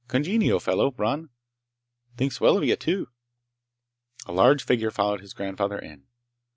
Congenial fellow, Bron. Thinks well of you, too!" A large figure followed his grandfather in.